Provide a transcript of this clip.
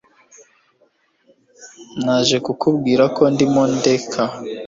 naje kukubwira ko ndimo ndeka